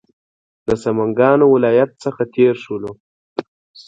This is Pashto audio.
د سمنګانو ولایت څخه تېر شولو.